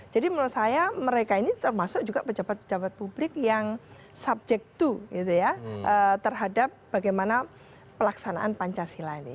jadi menurut saya mereka ini termasuk juga pejabat pejabat publik yang subject to terhadap bagaimana pelaksanaan pancasila ini